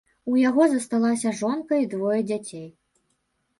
У яго засталася жонка і двое дзяцей.